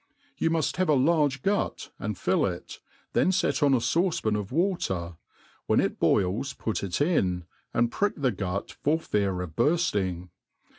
You muft have » large gut, and fill it, then fet on a fauce pah of water, whei» it boils put it in, and pricl^the gut for fear of bur/ling.